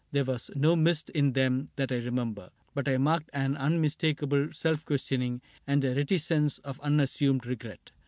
There was no mist In them that I remember ; but I marked An unmistakable self questioning And a reticence of unassumed regret.